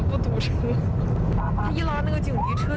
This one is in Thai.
คุณก๊อฟมันใช้ได้เหรอ